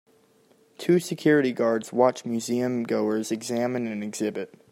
Two security guards watch museum goers examine an exhibit.